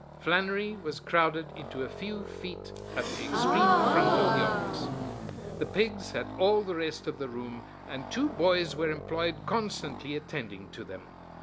Flannery was crowded into a few feet at the extreme front of the office. The pigs had all the rest of the room and two boys were employed constantly attending to them.